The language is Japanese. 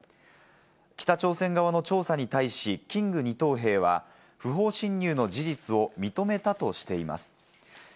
北朝鮮側の調査に対し、キング２等兵は不法侵入の事実を認めたとしています。